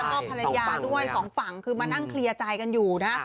แล้วก็ภรรยาด้วยสองฝั่งคือมานั่งเคลียร์ใจกันอยู่นะ